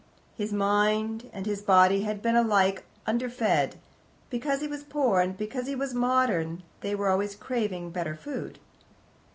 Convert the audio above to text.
His mind and his body had been alike underfed, because he was poor, and because he was modern they were always craving better food.